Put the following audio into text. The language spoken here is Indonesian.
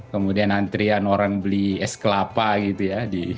kemudian antrian orang beli es kelapa gitu ya